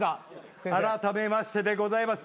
あらためましてでございます。